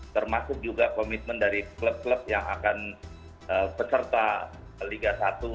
termasuk juga komitmen dari klub klub yang akan peserta liga satu